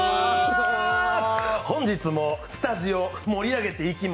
本日もスタジオ、盛り上げていきま